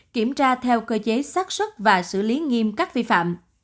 kiểm tra theo cơ chế sát xuất và xử lý nghiêm các vi phạm